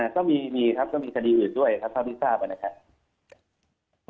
ก็มีครับก็มีคดีอื่นด้วยครับเท่าที่ทราบนะครับ